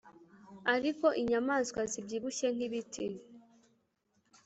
ariko inyamanswa zibyibushye nkibiti